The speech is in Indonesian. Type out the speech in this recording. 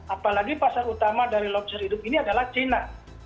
apalagi pasar utama dari lobster hidup ini adalah cina